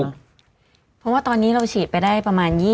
เพราะว่าตอนนี้เราฉีดไปได้ประมาณ๒๒ล้านบาท